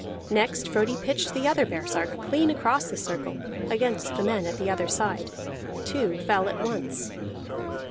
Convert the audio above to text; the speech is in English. Next Frodi pitched the other baresark clean across the circle against the men at the other side; two fell at once.